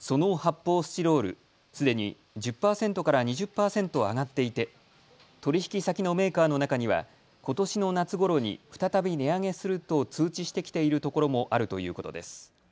その発泡スチロールすでに１０％から２０％上がっていて取引先のメーカーの中にはことしの夏ごろに再び値上げすると通知してきているところもあるということです。